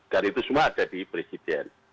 dan itu semua ada di presiden